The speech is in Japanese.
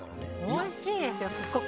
おいしいですよ、すごく。